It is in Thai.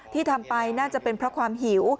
ที่ทำไปน่าจะเป็นเพราะความหิว